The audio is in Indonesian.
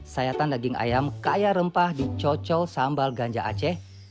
sayatan daging ayam kaya rempah dicocol sambal ganja aceh